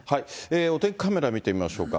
お天気カメラ見てみましょうか。